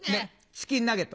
チキンナゲット。